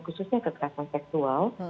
khususnya kekerasan seksual